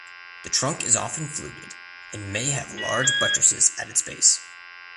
The trunk is often fluted and may have large buttresses at its base.